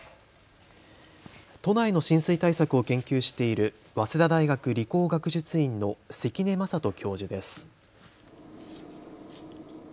都内の浸水対策を研究している早稲田大学理工学術院の関根正人教授です。